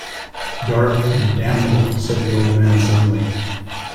“Dark and damnable,” said the old man suddenly.